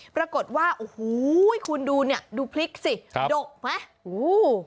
ปรากฏว่าโอ้โหคุณดูเนี่ยดูพริกสิดกไหมโอ้โห